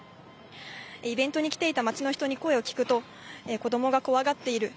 イベントに来ていた街の人に声を聞くと、子どもが怖がっている。